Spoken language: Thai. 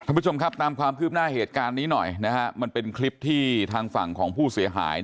ผู้ชมครับตามความคืบหน้าเหตุการณ์นี้หน่อยนะฮะมันเป็นคลิปที่ทางฝั่งของผู้เสียหาย